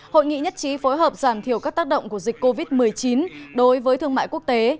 hội nghị nhất trí phối hợp giảm thiểu các tác động của dịch covid một mươi chín đối với thương mại quốc tế